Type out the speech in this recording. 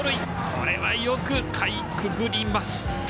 これは、よくかいくぐりました。